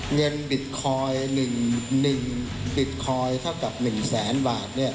เงินบิตคอยน์๑บิตคอยน์ถ้าเกี่ยวกับ๑แสนบาท